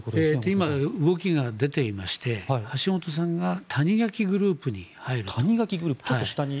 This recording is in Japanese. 今、動きが出ていまして橋本さんが谷垣グループに入ると。